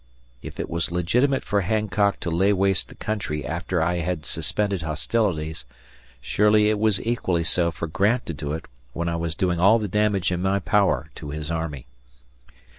If it was legitimate for Hancock to lay waste the country after I had suspended hostilities, surely it was equally so for Grant to do it when I was doing all the damage in my power to his army.